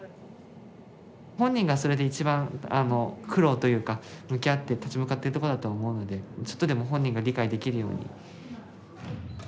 本人がそれで一番苦労というか向き合って立ち向かってるとこだと思うのでちょっとでも本人が理解できるように。